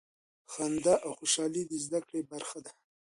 خندا او خوشحالي د زده کړې برخه ده.